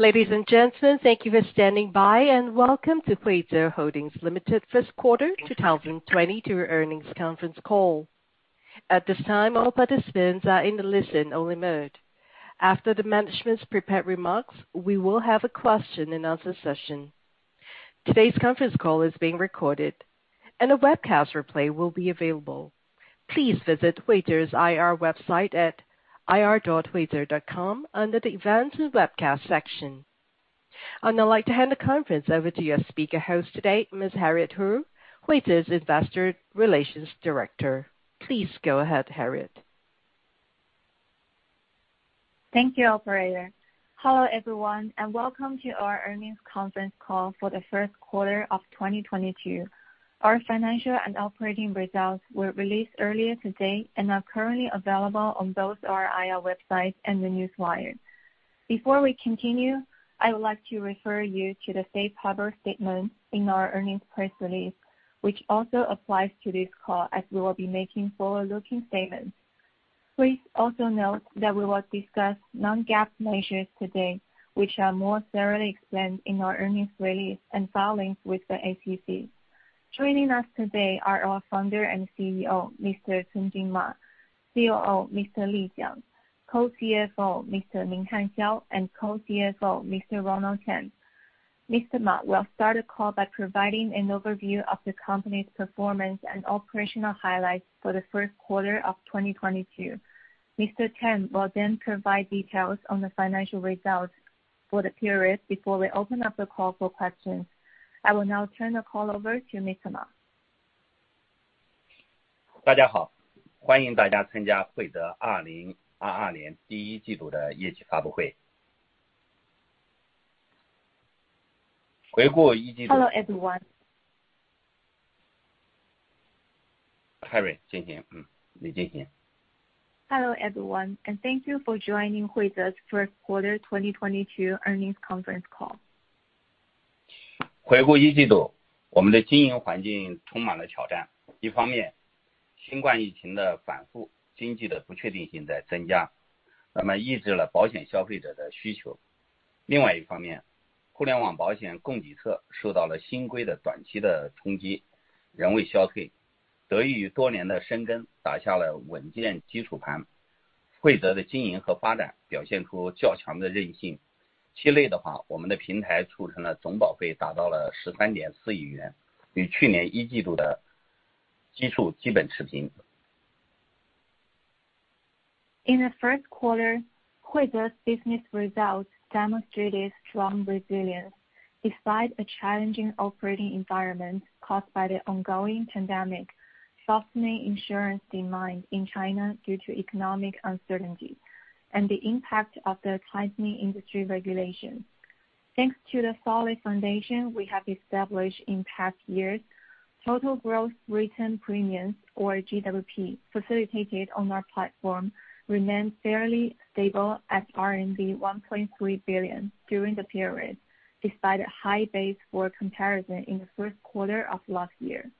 Ladies and gentlemen, thank you for standing by, and welcome to Huize Holding Limited First Quarter 2022 Earnings Conference Call. At this time, all participants are in a listen-only mode. After the management's prepared remarks, we will have a question and answer session. Today's conference call is being recorded, and a webcast replay will be available. Please visit Huize's IR website at ir.huize.com under the Events and Webcasts section. I'd now like to hand the conference over to your speaker host today, Ms. Harriet Hu, Huize's Investor Relations Director. Please go ahead, Harriet. Thank you, operator. Hello, everyone, and welcome to our earnings conference call for the first quarter of 2022. Our financial and operating results were released earlier today and are currently available on both our IR website and the Newswire. Before we continue, I would like to refer you to the safe harbor statement in our earnings press release, which also applies to this call as we will be making forward-looking statements. Please also note that we will discuss non-GAAP measures today, which are more thoroughly explained in our earnings release and filings with the SEC. Joining us today are our Founder and CEO, Mr. Cunjun Ma, COO, Mr. Li Jiang, Co-CFO, Mr. Minghan Xiao, and Co-CFO, Mr. Ronald Tam. Mr. Ma will start the call by providing an overview of the company's performance and operational highlights for the first quarter of 2022. Mr. Tam will then provide details on the financial results for the period before we open up the call for questions. I will now turn the call over to Mr. Ma. Hello, everyone. Harriet, Hello, everyone, and thank you for joining Huize's first quarter 2022 earnings conference call. In the first quarter, Huize's business results demonstrated strong resilience despite a challenging operating environment caused by the ongoing pandemic, softening insurance demand in China due to economic uncertainty, and the impact of the tightening industry regulations. Thanks to the solid foundation we have established in past years, total gross written premiums, or GWP, facilitated on our platform remained fairly stable at 1.3 billion during the period, despite a high base for comparison in the first quarter of last year.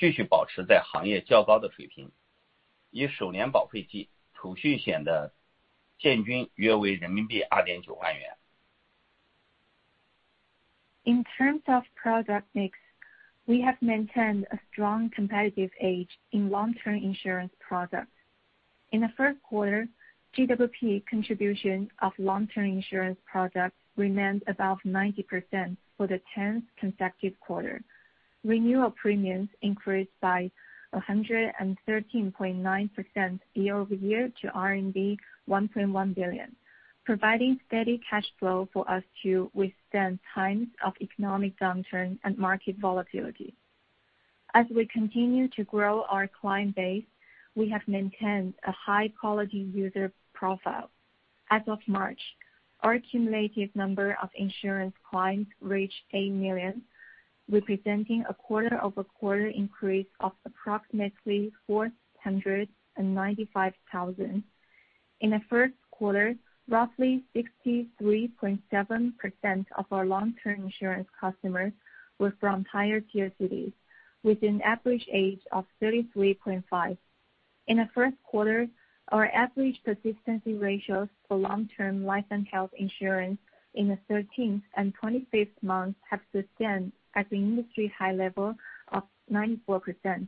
In terms of product mix, we have maintained a strong competitive edge in long-term insurance products. In the first quarter, GWP contribution of long-term insurance products remained above 90% for the 10th consecutive quarter. Renewal premiums increased by 113.9% year-over-year to 1.1 billion, providing steady cash flow for us to withstand times of economic downturn and market volatility. As we continue to grow our client base, we have maintained a high-quality user profile. As of March, our cumulative number of insurance clients reached 8 million, representing a quarter-over-quarter increase of approximately 495,000. In the first quarter, roughly 63.7% of our long-term insurance customers were from higher tier cities, with an average age of 33.5. In the first quarter, our average persistency ratios for long-term life and health insurance in the 13th and 25th month have sustained at the industry high level of 94%.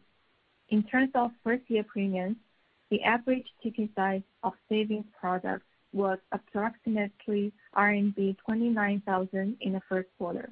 In terms of first year premiums, the average ticket size of savings products was approximately RMB 29,000 in the first quarter.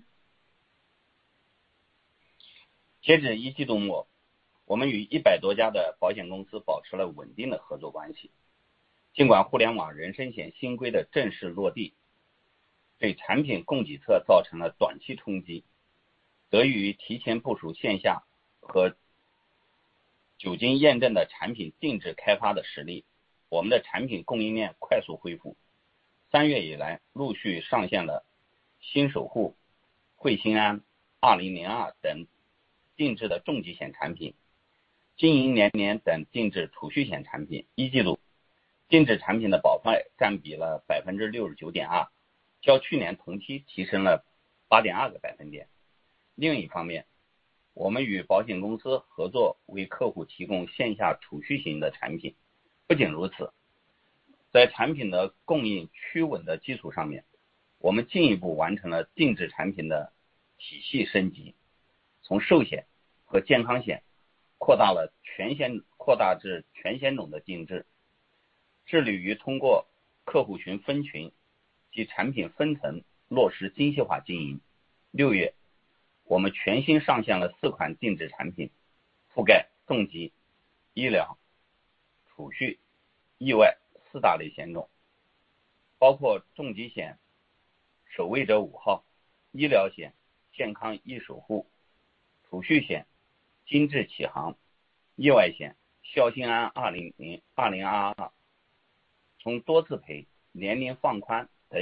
At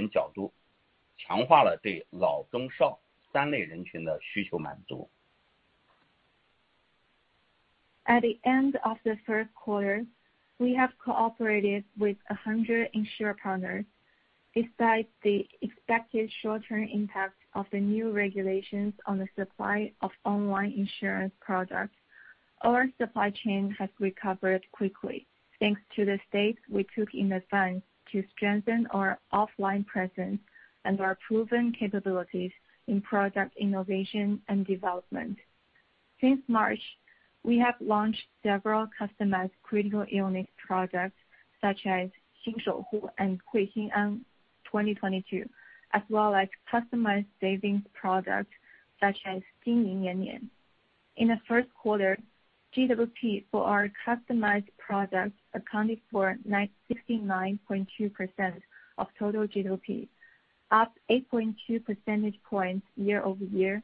the end of the third quarter, we have cooperated with 100 insurer partners. Besides the expected short-term impact of the new regulations on the supply of online insurance products. Our supply chain has covered quickly, thanks to the State, we took in time to strengthen our offline presence and our proven capabilities in products in product innovation and development. Since March, we have launched several customized critical illness products such as Jin Zhi Qi Hang and Hui Xin An 2022, as well as customized savings product such as Jin Zhi Qi Hang. In the first quarter, GWP for our customized products accounted for 69.2% of total GWP, up 8.2 percentage points year-over-year.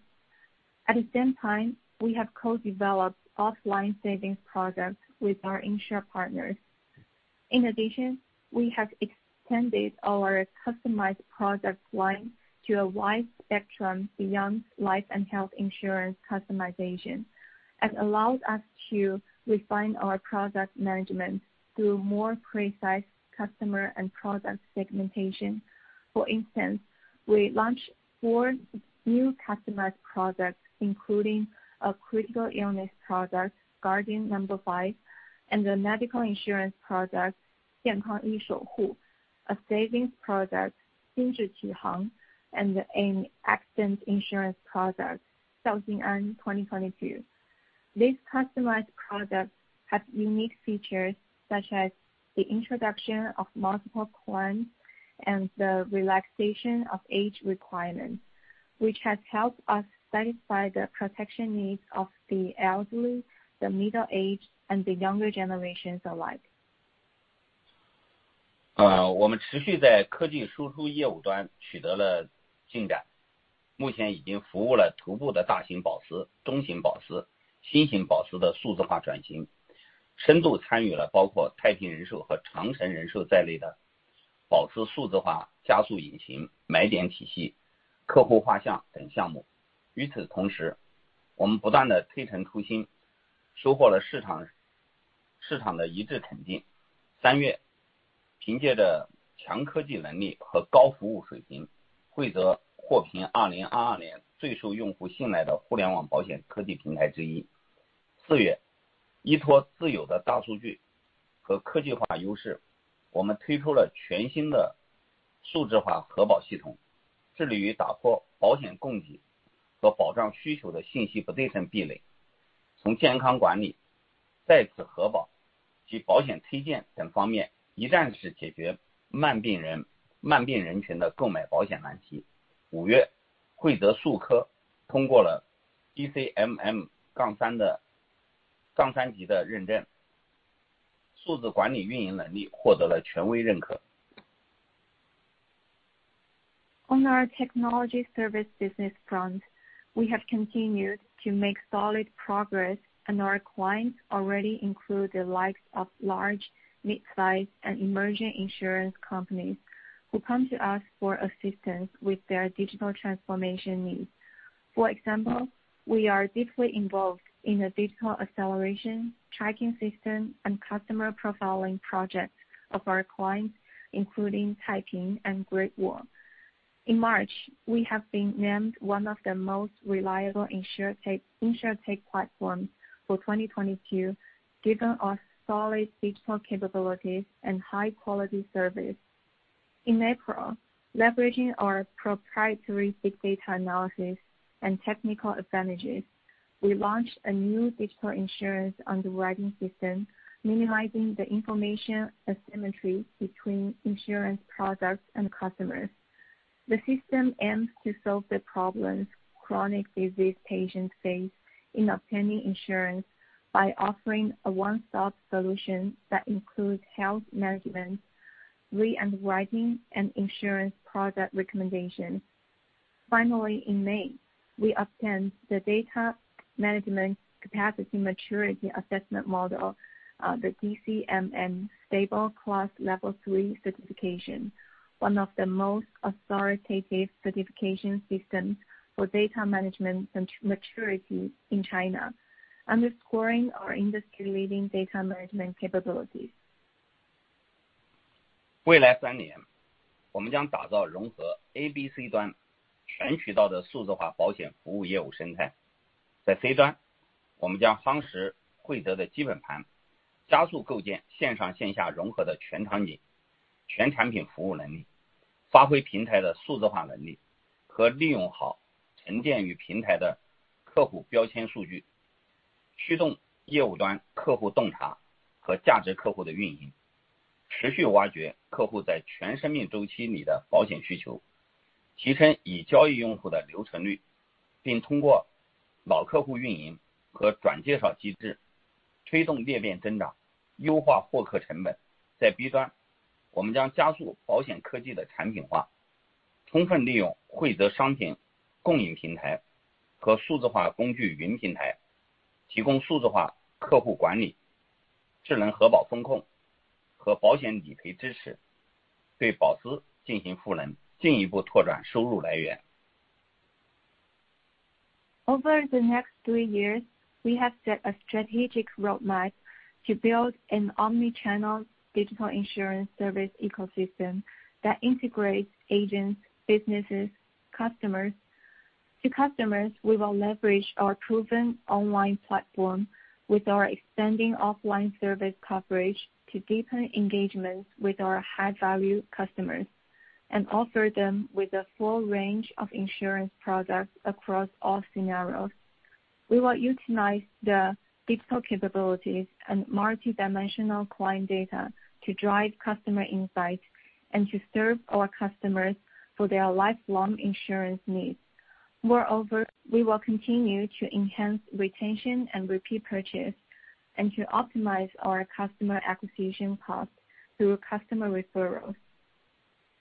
At the same time, we have co-developed offline savings products with our insurer partners. In addition, we have extended our customized product line to a wide spectrum beyond life and health insurance customization. It allows us to refine our product management through more precise customer and product segmentation. For instance, we launched four new customized products, including a critical illness product, Guardian Number 5, and the medical insurance product, 健康翼守护, a savings product, 金智启航, and an accident insurance product, 孝心安2022. These customized products have unique features such as the introduction of multiple plans and the relaxation of age requirements, which has helped us satisfy the protection needs of the elderly, the middle-aged, and the younger generations alike. On our technology service business front, we have continued to make solid progress and our clients already include the likes of large, mid-size, and emerging insurance companies who come to us for assistance with their digital transformation needs. For example, we are deeply involved in the digital acceleration, tracking system, and customer profiling projects of our clients, including Taiping and Great Wall. In March, we have been named one of the most reliable Insurtech platforms for 2022, given our solid digital capabilities and high-quality service. In April, leveraging our proprietary big data analysis and technical advantages, we launched a new digital insurance underwriting system, minimizing the information asymmetry between insurance products and customers. The system aims to solve the problems chronic disease patients face in obtaining insurance by offering a one-stop solution that includes health management, re-underwriting, and insurance product recommendations. Finally, in May, we obtained the data management capacity maturity assessment model, the DCMM Stable Class Level-3 certification, one of the most authoritative certification systems for data management maturity in China, underscoring our industry-leading data management capabilities. Over the next three years, we have set a strategic roadmap to build an omni-channel digital insurance service ecosystem that integrates agents, businesses, customers. To customers, we will leverage our proven online platform with our expanding offline service coverage to deepen engagements with our high-value customers and offer them with a full range of insurance products across all scenarios. We will utilize the digital capabilities and multi-dimensional client data to drive customer insights and to serve our customers for their lifelong insurance needs. Moreover, we will continue to enhance retention and repeat purchase and to optimize our customer acquisition cost through customer referrals.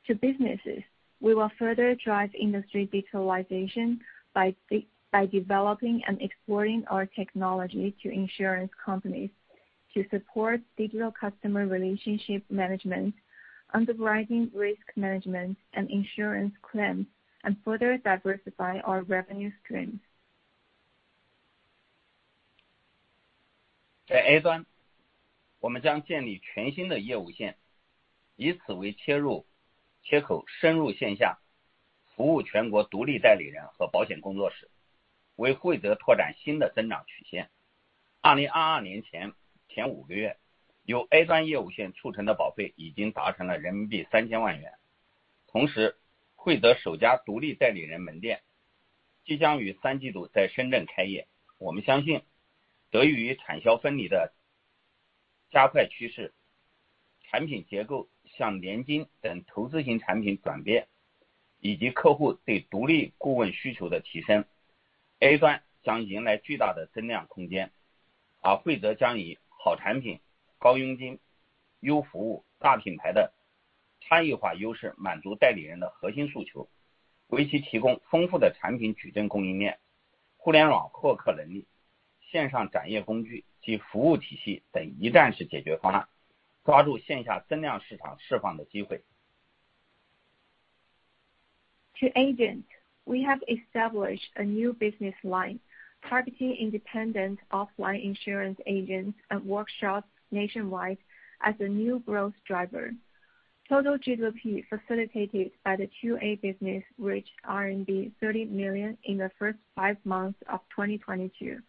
To businesses, we will further drive industry digitalization by developing and offering our technology to insurance companies to support digital customer relationship management, underwriting risk management, and insurance claims, and further diversify our revenue streams. To Agent, we have established a new business line targeting independent offline insurance agents and workshops nationwide as a new growth driver. Total GWP facilitated by the 2A business reached RMB 30 million in the first five months of 2022.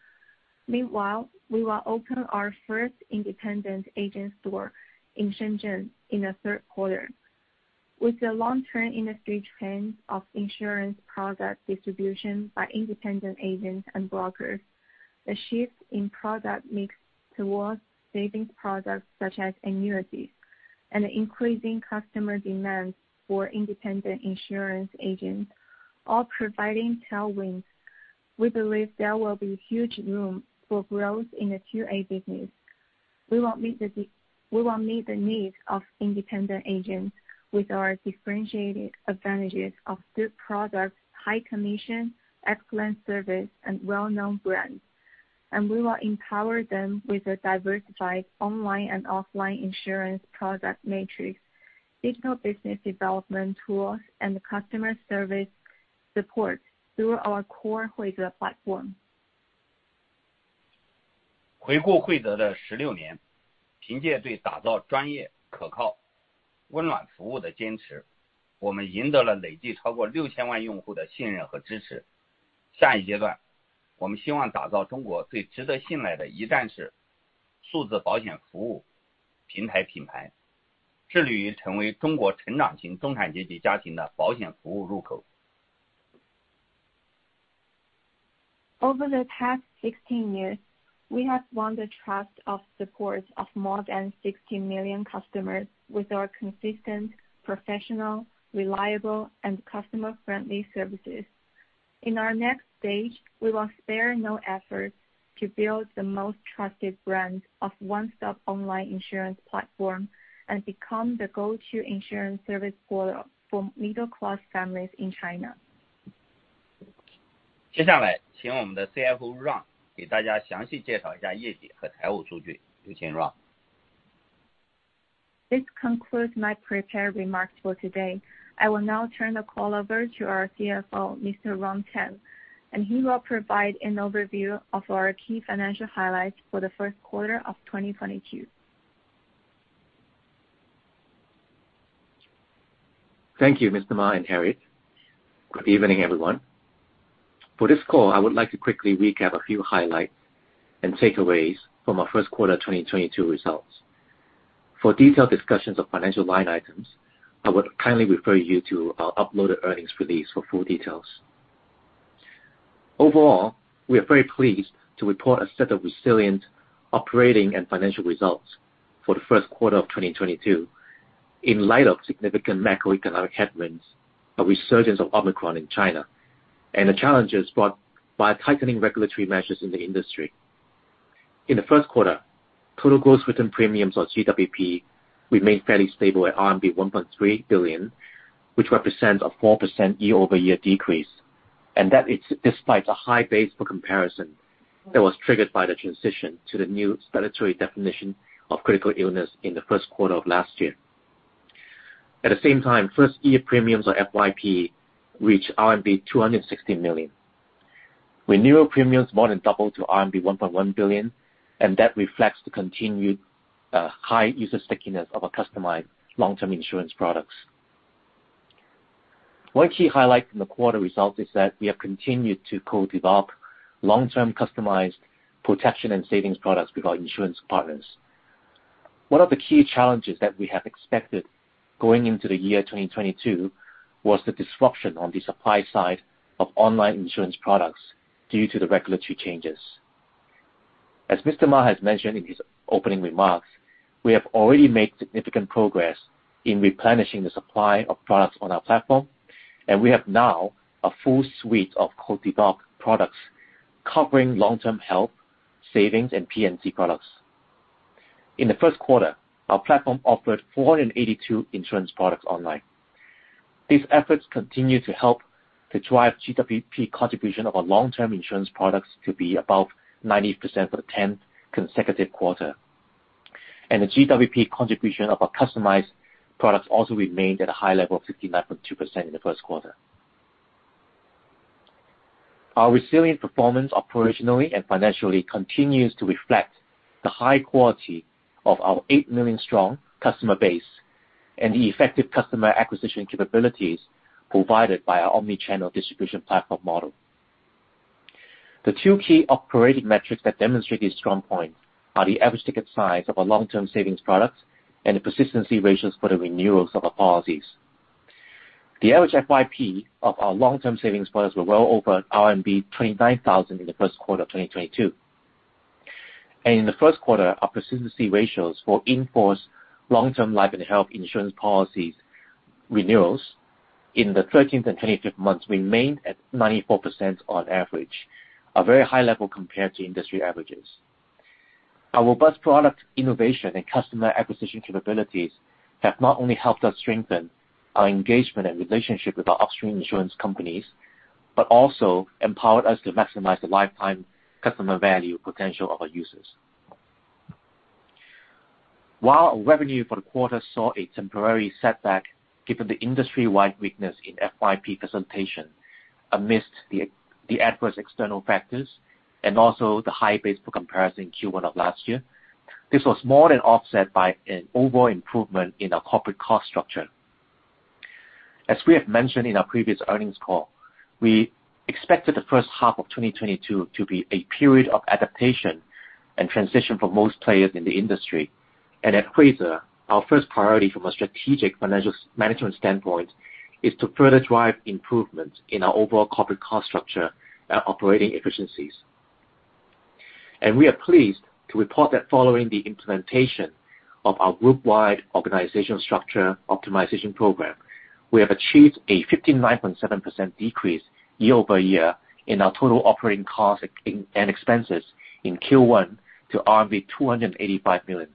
Meanwhile, we will open our first independent agent store in Shenzhen in the third quarter. With the long term industry trend of insurance product distribution by independent agents and brokers, the shift in product mix towards savings products such as annuities and increasing customer demand for independent insurance agents are providing tailwinds. We believe there will be huge room for growth in the 2A business. We will meet the needs of independent agents with our differentiated advantages of good products, high commission, excellent service and well-known brands. We will empower them with a diversified online and offline insurance product matrix, digital business development tools, and customer service support through our core Huize platform. 回顾慧择的十六年，凭借对打造专业、可靠、温暖服务的坚持，我们赢得了累计超过六千万用户的信任和支持。下一阶段，我们希望打造中国最值得信赖的一站式数字保险服务平台品牌，致力于成为中国成长型中产阶级家庭的保险服务入口。Over the past 16 years, we have won the trust of support of more than 60 million customers with our consistent, professional, reliable, and customer-friendly services. In our next stage, we will spare no effort to build the most trusted brand of one-stop online insurance platform and become the go-to insurance service portal for middle-class families in China. 接下来请我们的CFO Ronald给大家详细介绍一下业绩和财务数据。有请Ronald。This concludes my prepared remarks for today. I will now turn the call over to our CFO, Mr. Ron Tam, and he will provide an overview of our key financial highlights for the first quarter of 2022. Thank you, Mr. Ma and Harriet. Good evening, everyone. For this call, I would like to quickly recap a few highlights and takeaways from our first quarter 2022 results. For detailed discussions of financial line items, I would kindly refer you to our uploaded earnings release for full details. Overall, we are very pleased to report a set of resilient operating and financial results for the first quarter of 2022 in light of significant macroeconomic headwinds, a resurgence of Omicron in China, and the challenges brought by tightening regulatory measures in the industry. In the first quarter, total gross written premiums or GWP remained fairly stable at RMB 1.3 billion, which represents a 4% year-over-year decrease, and that is despite a high base for comparison that was triggered by the transition to the new statutory definition of critical illness in the first quarter of last year. At the same time, first-year premiums or FYP reached RMB 260 million. Renewal premiums more than doubled to RMB 1.1 billion, and that reflects the continued high user stickiness of our customized long-term insurance products. One key highlight from the quarter results is that we have continued to co-develop long-term customized protection and savings products with our insurance partners. One of the key challenges that we have expected going into the year 2022 was the disruption on the supply side of online insurance products due to the regulatory changes. As Mr. Ma has mentioned in his opening remarks, we have already made significant progress in replenishing the supply of products on our platform, and we have now a full suite of co-develop products covering long-term health, savings, and P&C products. In the first quarter, our platform offered 482 insurance products online. These efforts continue to help to drive GWP contribution of our long-term insurance products to be above 90% for the tenth consecutive quarter. The GWP contribution of our customized products also remained at a high level of 59.2% in the first quarter. Our resilient performance operationally and financially continues to reflect the high quality of our 8 million strong customer base and the effective customer acquisition capabilities provided by our omni-channel distribution platform model. The two key operating metrics that demonstrate this strong point are the average ticket size of our long-term savings products and the persistency ratios for the renewals of our policies. The average FYP of our long-term savings products were well over RMB 29,000 in the first quarter of 2022. In the first quarter, our persistency ratios for in-force long-term life and health insurance policies renewals in the 13th and 25th months remained at 94% on average, a very high level compared to industry averages. Our robust product innovation and customer acquisition capabilities have not only helped us strengthen our engagement and relationship with our upstream insurance companies, but also empowered us to maximize the lifetime customer value potential of our users. While our revenue for the quarter saw a temporary setback given the industry-wide weakness in FYP presentation amidst the adverse external factors and also the high base for comparison in Q1 of last year, this was more than offset by an overall improvement in our corporate cost structure. As we have mentioned in our previous earnings call, we expected the first half of 2022 to be a period of adaptation and transition for most players in the industry. At Huize, our first priority from a strategic financial management standpoint is to further drive improvements in our overall corporate cost structure and operating efficiencies. We are pleased to report that following the implementation of our group-wide organizational structure optimization program, we have achieved a 59.7% decrease year-over-year in our total operating costs and expenses in Q1 to RMB 285 million.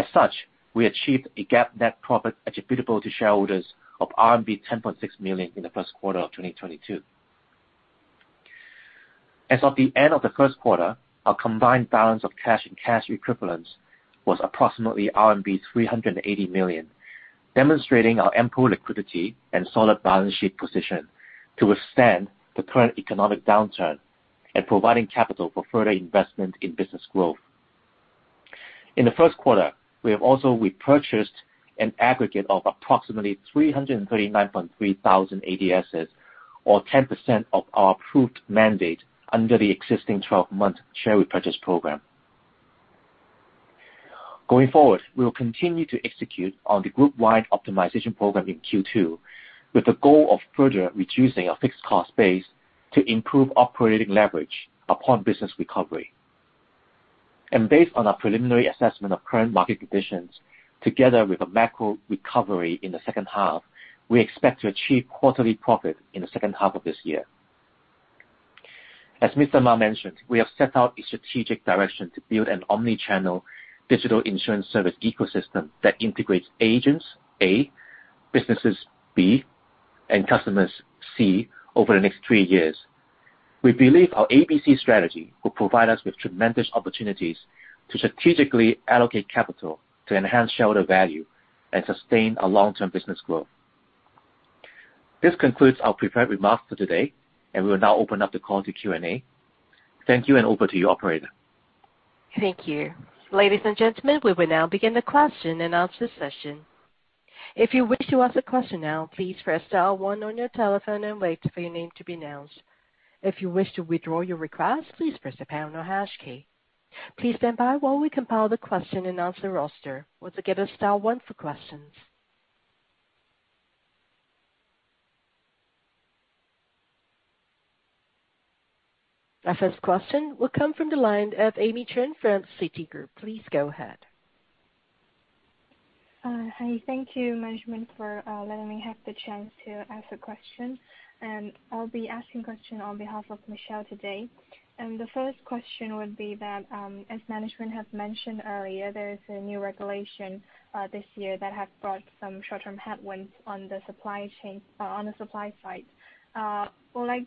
As such, we achieved a GAAP net profit attributable to shareholders of RMB 10.6 million in the first quarter of 2022. As of the end of the first quarter, our combined balance of cash and cash equivalents was approximately RMB 380 million, demonstrating our ample liquidity and solid balance sheet position to withstand the current economic downturn and providing capital for further investment in business growth. In the first quarter, we have also repurchased an aggregate of approximately 339,300 ADSs or 10% of our approved mandate under the existing twelve-month share repurchase program. Going forward, we will continue to execute on the group-wide optimization program in Q2 with the goal of further reducing our fixed cost base to improve operating leverage upon business recovery. Based on our preliminary assessment of current market conditions, together with a macro recovery in the second half, we expect to achieve quarterly profit in the second half of this year. As Mr. Ma mentioned, we have set out a strategic direction to build an omni-channel digital insurance service ecosystem that integrates agents, A, businesses, B, and customers, C, over the next three years. We believe our ABC strategy will provide us with tremendous opportunities to strategically allocate capital to enhance shareholder value and sustain a long-term business growth. This concludes our prepared remarks for today, and we will now open up the call to Q&A. Thank you, and over to you, operator. Thank you. Ladies and gentlemen, we will now begin the question and answer session. If you wish to ask a question now, please press star one on your telephone and wait for your name to be announced. If you wish to withdraw your request, please press the pound or hash key. Please stand by while we compile the question and answer roster. Once again, that's star one for questions. Our first question will come from the line of Amy Chen from Citigroup. Please go ahead. Hi. Thank you management for letting me have the chance to ask a question, and I'll be asking question on behalf of Michelle today. The first question would be that, as management has mentioned earlier, there is a new regulation this year that has brought some short-term headwinds on the supply chain, on the supply side. Would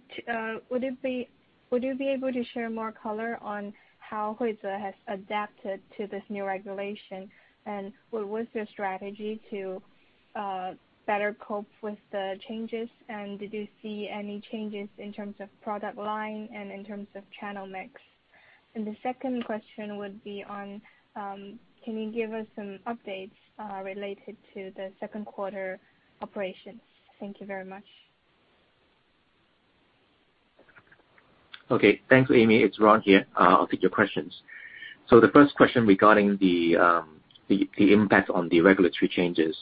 you be able to share more color on how Huize has adapted to this new regulation? What was your strategy to better cope with the changes? Did you see any changes in terms of product line and in terms of channel mix? The second question would be on, can you give us some updates related to the second quarter operations? Thank you very much. Okay. Thanks, Amy. It's Ron here. I'll take your questions. The first question regarding the impact on the regulatory changes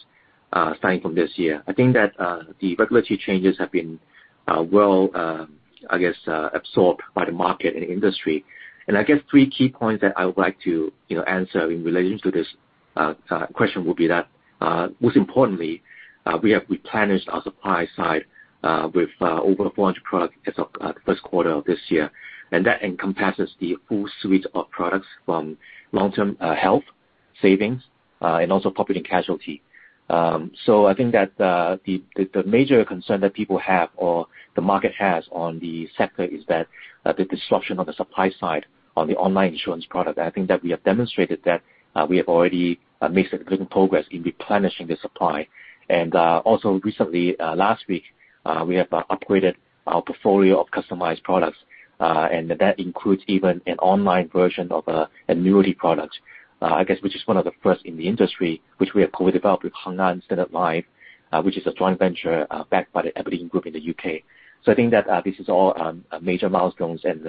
starting from this year. I think that the regulatory changes have been absorbed by the market and industry. I guess three key points that I would like to you know answer in relation to this question would be that most importantly we have replenished our supply side with over 400 products as of first quarter of this year. That encompasses the full suite of products from long-term health, savings, and also property and casualty. I think that the major concern that people have or the market has on the sector is that the disruption on the supply side on the online insurance product. I think that we have demonstrated that we have already made significant progress in replenishing the supply. Also recently last week we have upgraded our portfolio of customized products and that includes even an online version of annuity product I guess which is one of the first in the industry which we have co-developed with Heng An Standard Life which is a joint venture backed by Standard Life Aberdeen in the U.K. I think that this is all major milestones and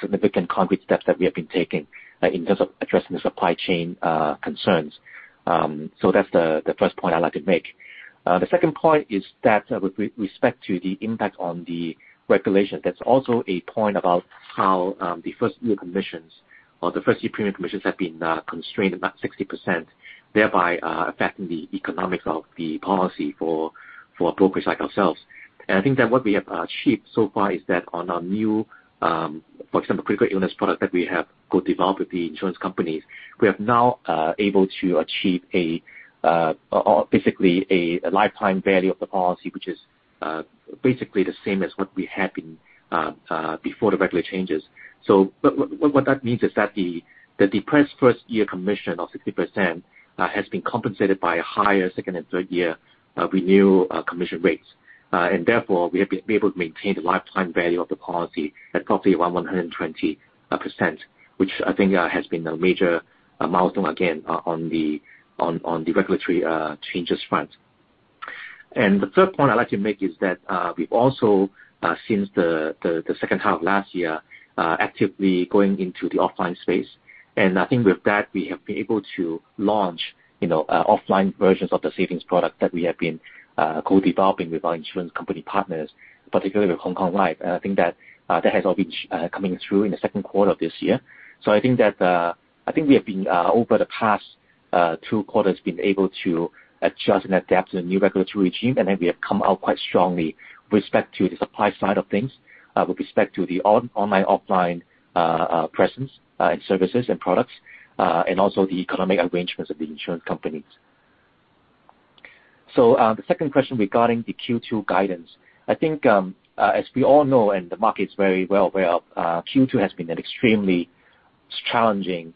significant concrete steps that we have been taking in terms of addressing the supply chain concerns. So that's the first point I'd like to make. The second point is that with respect to the impact on the regulation, that's also a point about how the first year commissions or the first year premium commissions have been constrained about 60%, thereby affecting the economics of the policy for brokers like ourselves. I think that what we have achieved so far is that on our new for example critical illness product that we have co-developed with the insurance companies, we have now able to achieve a basically a lifetime value of the policy, which is basically the same as what we had been before the regulatory changes. What that means is that the preset first year commission of 60% has been compensated by a higher second and third year renewal commission rates. Therefore, we have been able to maintain the lifetime value of the policy at roughly around 120%, which I think has been a major milestone again on the regulatory changes front. The third point I'd like to make is that we've also since the second half of last year actively going into the offline space. I think with that, we have been able to launch, you know, offline versions of the savings product that we have been co-developing with our insurance company partners, particularly with Hong Kong Life. I think that has all been coming through in the second quarter of this year. I think we have been over the past two quarters able to adjust and adapt to the new regulatory regime, and then we have come out quite strongly with respect to the supply side of things, with respect to the online, offline presence, and services and products, and also the economic arrangements of the insurance companies. The second question regarding the Q2 guidance. I think, as we all know and the market's very well aware of, Q2 has been an extremely challenging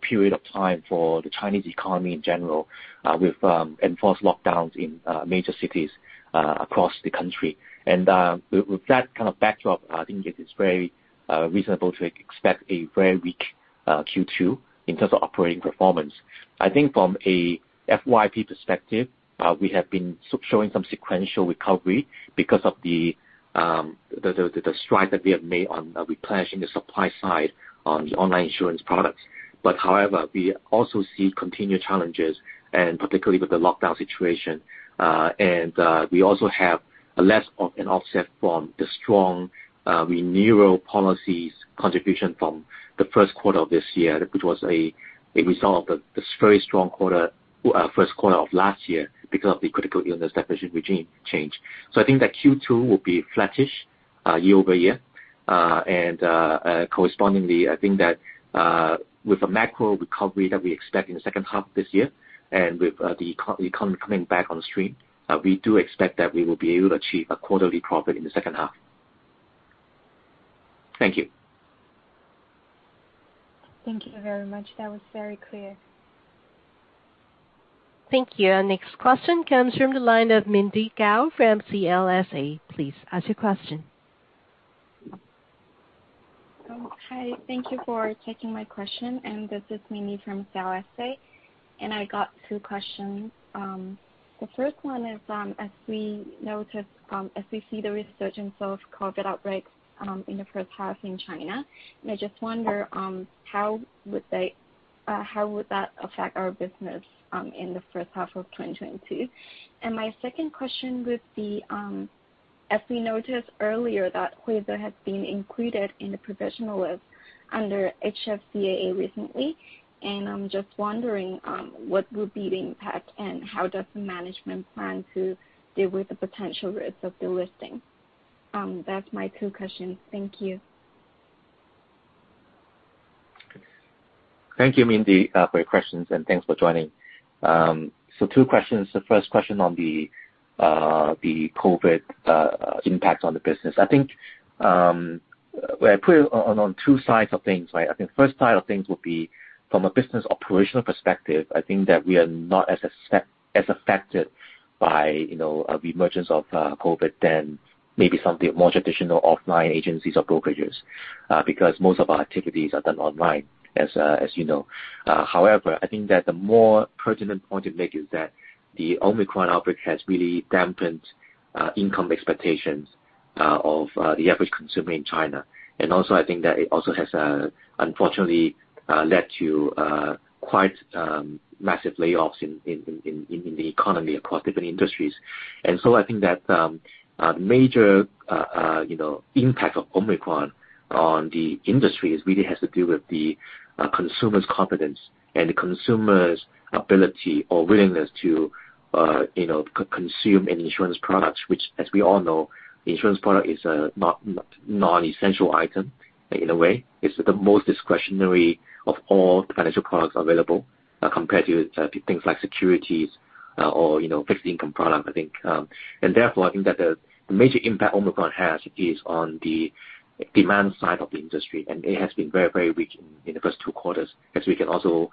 period of time for the Chinese economy in general, with enforced lockdowns in major cities across the country. With that kind of backdrop, I think it is very reasonable to expect a very weak Q2 in terms of operating performance. I think from a FYP perspective, we have been showing some sequential recovery because of the stride that we have made on replenishing the supply side on the online insurance products. However, we also see continued challenges and particularly with the lockdown situation. We also have less of an offset from the strong renewal policies contribution from the first quarter of this year, which was a result of this very strong quarter, first quarter of last year because of the critical illness definition regime change. I think that Q2 will be flattish year-over-year. Correspondingly, I think that with the macro recovery that we expect in the second half of this year and with the economy coming back on stream, we do expect that we will be able to achieve a quarterly profit in the second half. Thank you. Thank you very much. That was very clear. Thank you. Our next question comes from the line of Mindy Gao from CLSA. Please ask your question. Oh, hi. Thank you for taking my question, and this is Mindy from CLSA, and I got two questions. The first one is, as we see the resurgence of COVID outbreaks in the first half in China, and I just wonder how would that affect our business in the first half of 2022? My second question would be, as we noticed earlier that Huize has been included in the provisional list under HFCAA recently, and I'm just wondering what would be the impact and how does the management plan to deal with the potential risks of delisting? That's my two questions. Thank you. Thank you, Mindy, for your questions and thanks for joining. Two questions. The first question on the COVID impact on the business. I think when I put it on two sides of things, right? I think first side of things would be from a business operational perspective. I think that we are not as affected by, you know, the emergence of COVID than maybe some of the more traditional offline agencies or brokerages because most of our activities are done online, as you know. However, I think that the more pertinent point to make is that the Omicron outbreak has really dampened income expectations of the average consumer in China. I think that it also has unfortunately led to quite massive layoffs in the economy across different industries. I think that major you know impact of Omicron on the industry really has to do with the consumer's confidence and the consumer's ability or willingness to you know consume any insurance products, which, as we all know, insurance product is a non-essential item in a way. It's the most discretionary of all financial products available, compared to things like securities or you know fixed income product, I think. Therefore, I think that the major impact Omicron has is on the demand side of the industry, and it has been very, very weak in the first two quarters, as we can also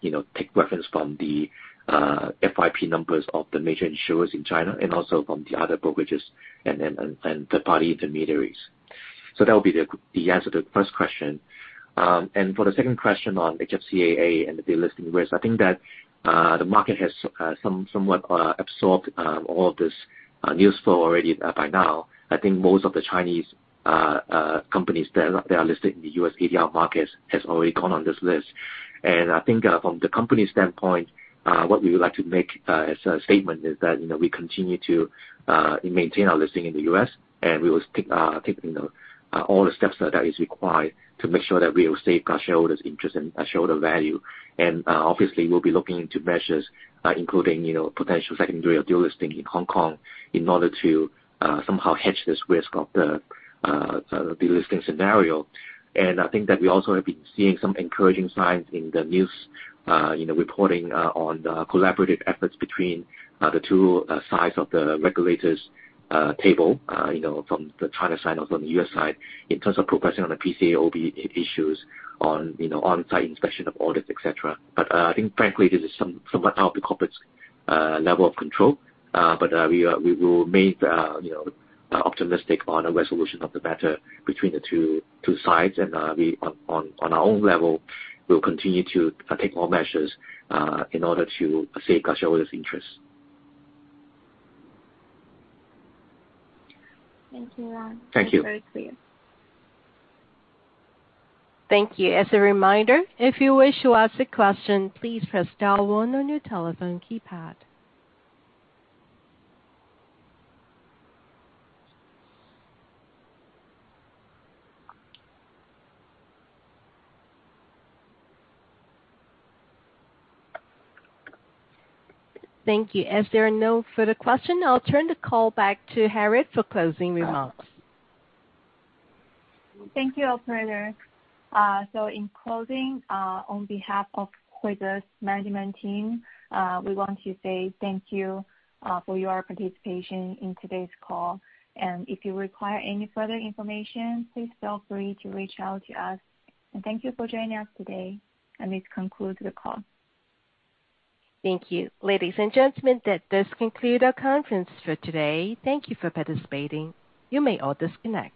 you know, take reference from the FYP numbers of the major insurers in China and also from the other brokerages and third-party intermediaries. That would be the answer to the first question. For the second question on HFCAA and the delisting risk, I think that the market has somewhat absorbed all of this news flow already by now. I think most of the Chinese companies that are listed in the U.S. ADR markets has already gone on this list. I think, from the company standpoint, what we would like to make as a statement is that, you know, we continue to maintain our listing in the U.S., and we will take, you know, all the steps that is required to make sure that we will safeguard shareholders' interest and shareholder value. Obviously, we'll be looking into measures, including, you know, potential secondary or dual listing in Hong Kong in order to somehow hedge this risk of the delisting scenario. I think that we also have been seeing some encouraging signs in the news, you know, reporting on the collaborative efforts between the two sides of the regulators' table, you know, from the China side or from the U.S. side in terms of progressing on theissues on on-site inspection of audits, et cetera. I think frankly, this is somewhat out of the corporation's level of control. We will remain, you know, optimistic on a resolution of the matter between the two sides. We, on our own level, will continue to take more measures in order to safeguard shareholders' interest. Thank you. Thank you. That's very clear. Thank you. As a reminder, if you wish to ask a question, please press star one on your telephone keypad. Thank you. As there are no further question, I'll turn the call back to Harriet for closing remarks. Thank you, operator. In closing, on behalf of Huize's management team, we want to say thank you for your participation in today's call. If you require any further information, please feel free to reach out to us. Thank you for joining us today. This concludes the call. Thank you. Ladies and gentlemen, that does conclude our conference for today. Thank you for participating. You may all disconnect.